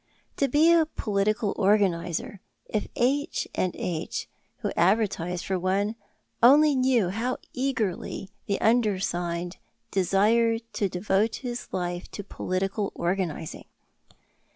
To be a political organizer! If "H and H," who advertised for one, only knew how eagerly the undersigned desired to devote his life to political organizing!